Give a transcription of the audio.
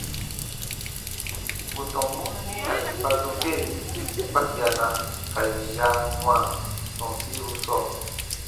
Bù tɔmbun nia yè ba dokee kpakiana ka yè ya wãa sɔ̃ɔsiru sɔɔ.